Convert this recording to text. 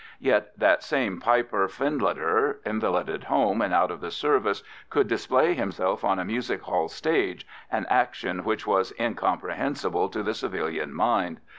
Yet that same Piper Findlater, invalided home and out of the service, could display himself on a music hall stage, an action which was incomprehensible to the civilian mind.